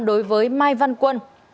đối với mai văn quân